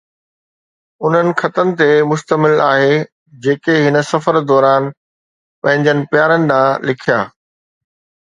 انهن خطن تي مشتمل آهي جيڪي هن سفر دوران پنهنجن پيارن ڏانهن لکيا